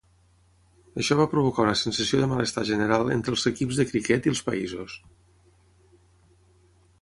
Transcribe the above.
Això va provocar una sensació de malestar general entre els equips de criquet i els països.